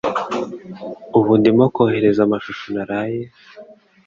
Ubu ndimo kohereza amashusho naraye